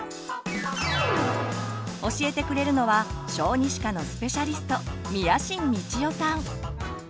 教えてくれるのは小児歯科のスペシャリスト